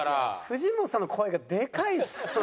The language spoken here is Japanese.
藤本さんの声がでかいんです。